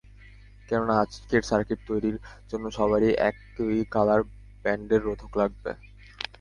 কেননা আজকের সার্কিট তৈরির জন্য সবারই একই কালার ব্যান্ডের রোধক লাগবে।